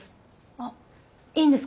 あいいんですか？